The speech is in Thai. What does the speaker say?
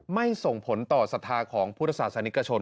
ส่งผลต่อศรัทธาของพุทธศาสนิกชน